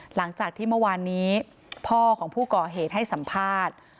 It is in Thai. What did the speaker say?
หลังจากที่เมื่อวานนี้พ่อของผู้ก่อเหตุให้สัมภาษณ์